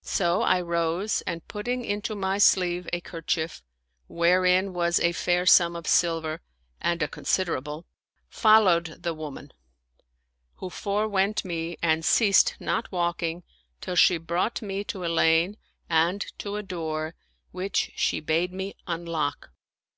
So I rose and putting into my sleeve a kerchief, wherein was a fair sum of silver and a considerable, followed the woman, who forewent me and ceased not walking till she brought me to a lane and to a door, which she bade me unlock.